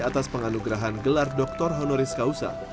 atas penganugerahan gelar doktor honoris causa